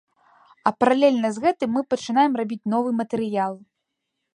А паралельна з гэтым мы пачынаем рабіць новы матэрыял.